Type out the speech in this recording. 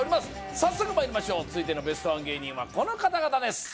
早速まいりましょう続いてのベストワン芸人はこの方々です